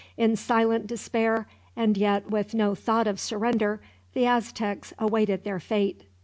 In silent despair, and yet with no thought of surrender, the Aztecs awaited their fate.